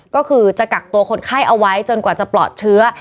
ก็คือจะกักตัวคนไข้เอาไว้จนกว่าจะปลอดเชื้อ